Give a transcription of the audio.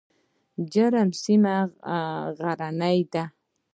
جرم سیمه غرنۍ ده؟